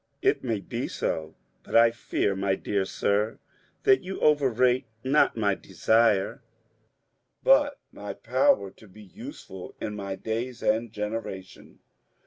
It may be so ; but I fear, my dear sir, that you overrate not my desire but my power to be useful in my day and genera tion.